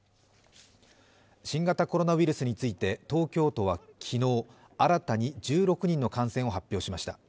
新型コロナウイルスについて東京都は昨日、新たに１６人の感染を発表しました。